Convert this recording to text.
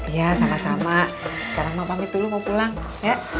ya sama sama sekarang mau pamit dulu mau pulang ya